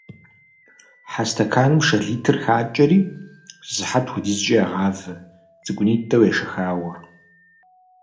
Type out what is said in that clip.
Хьэ стэканым шэ литр щӏакӏэри, зы сыхьэт хуэдизкӏэ ягъавэ, цӏыкӏунитӏэу ешэхауэ.